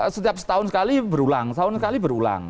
setiap setahun sekali berulang setahun sekali berulang